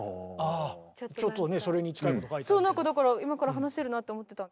だから今から話せるなって思ってた。